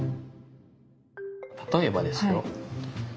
例えばですよ。